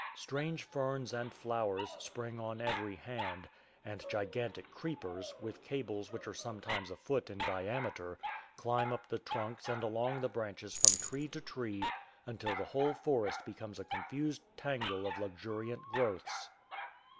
Strange ferns and flowers spring on every hand, and gigantic creepers, with cables which are sometimes a foot in diameter, climb up the trunks and along the branches from tree to tree until the whole forest becomes a confused tangle of luxuriant growths.